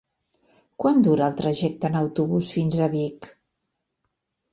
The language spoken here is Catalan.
Quant dura el trajecte en autobús fins a Vic?